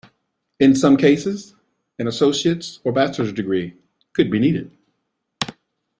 In some cases, an associate's or bachelor's degree could be needed.